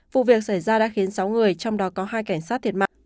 vụ việc xảy ra đã khiến sáu người trong đó có hai cảnh sát thiệt mạng